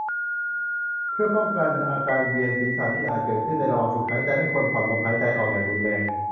เพื่อป้องกันอาการเวียนศีรษะที่อาจเกิดขึ้นในระหว่างฝึกหายใจ ไม่ควรผ่อนลมหายใจออกอย่างรุนแรง